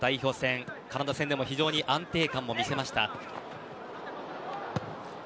そのカナダ戦でも非常に安定感も見せました。